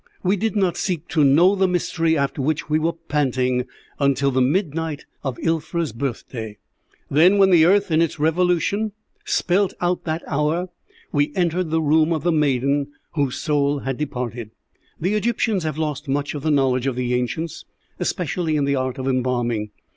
"We did not seek to know the mystery after which we were panting until the midnight of Ilfra's birthday. Then, when the earth in its revolution spelt out that hour, we entered the room of the maiden whose soul had departed. "The Egyptians have lost much of the knowledge of the ancients, especially in the art of embalming.